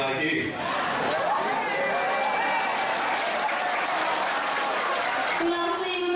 jawa tenggul dan wisata tenggul